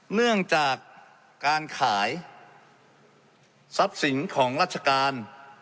เนื่องจากการขายทรัพย์สินของราชการ